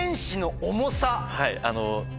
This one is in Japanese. はい。